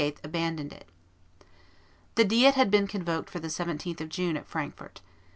abandoned it. The diet had been convoked for the 17th of June at Frankfort.